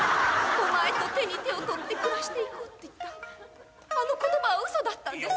お前と手に手を取って暮らしていこうって言ったあの言葉は嘘だったんですね？